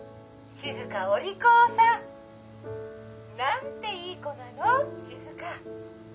静お利口さん！なんていい子なの静！